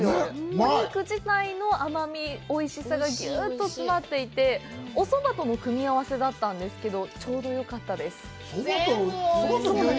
お肉自体の甘み、おいしさがギュウッと詰まってて、おそばとの組み合わせだったんですけど、ちょうどよかったです。